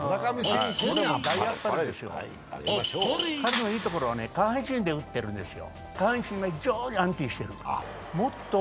彼のいいところはね、下半身で打ってるんですよ。